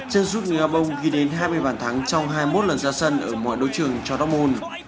chân sút người a bông ghi đến hai mươi bản thắng trong hai mươi một lần ra sân ở mọi đấu trường châu dortmund